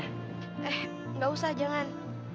eh nggak usah jangan